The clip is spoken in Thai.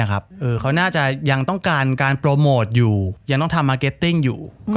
เขาน่าจะยังต้องการการโปรโมทอยู่ยังต้องทำมาร์เก็ตติ้งอยู่